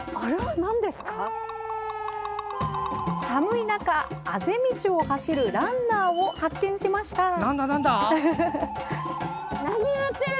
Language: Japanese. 寒い中、あぜ道を走るランナーを発見しました。